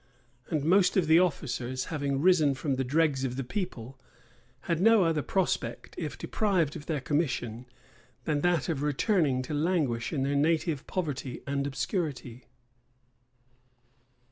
And most of the officers, having risen from the dregs of the people, had no other prospect, if deprived of their commission, than that of returning to languish in their native poverty and obscurity.